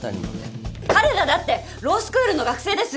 彼らだってロースクールの学生です！